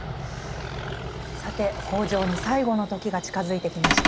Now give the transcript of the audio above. さて北條に最期の時が近づいてきました。